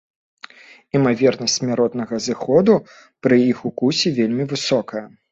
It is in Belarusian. Імавернасць смяротнага зыходу пры іх укусе вельмі высокая.